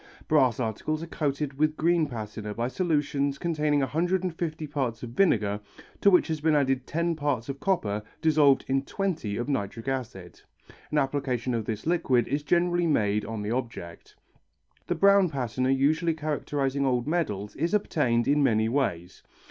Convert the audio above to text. Brass articles are coated with green patina by a solution containing 150 parts of vinegar to which has been added ten parts of copper dissolved in twenty of nitric acid. An application of this liquid is generally made on the object. The brown patina usually characterizing old medals is obtained in many ways.